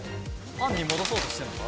パンに戻そうとしてるのか？